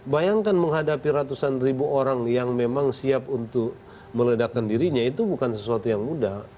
bayangkan menghadapi ratusan ribu orang yang memang siap untuk meledakan dirinya itu bukan sesuatu yang mudah